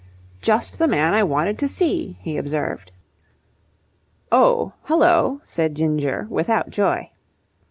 "Just the man I wanted to see," he observed. "Oh, hullo!" said Ginger, without joy.